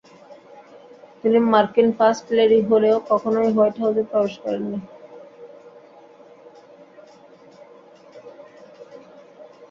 তিনি মার্কিন first lady হলেও কখনোই হোয়াইট হাউজে প্রবেশ করেননি।